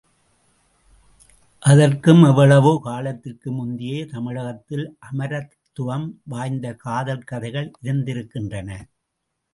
அதற்கும் எவ்வளவோ காலத்திற்கு முந்தியே தமிழகத்தில் அமரத்வம் வாய்ந்த காதல் கதைகள் இருந்திருக்கின்றன.